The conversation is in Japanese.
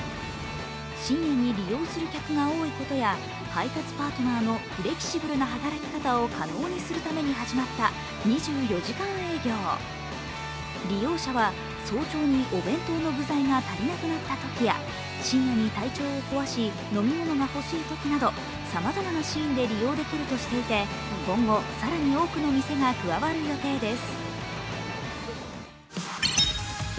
深夜に利用する客が多いことや配達パートナーのフレキシブルな働き方を利用者は早朝にお弁当の具材が足りなくなったときや深夜に体調を壊し、飲み物が欲しいときなさまざまなシーンで利用できるとしていて今後、更に多くの店が加わる予定です。